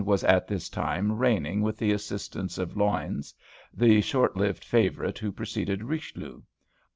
was at this time reigning with the assistance of Luynes, the short lived favorite who preceded Richelieu.